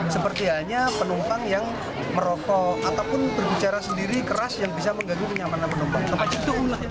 seperti halnya penumpang yang merokok ataupun berbicara sendiri keras yang bisa mengganggu kenyamanan penumpang